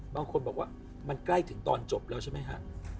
บางคนบอกว่ามันใกล้ถึงตอนจบแล้วใช่ไหมฮะ